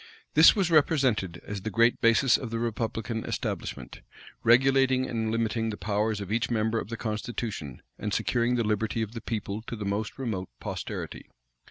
This was represented as the great basis cf the republican establishment, regulating and limiting the powers of each member of the constitution, and securing the liberty of the people to the most remote posterity.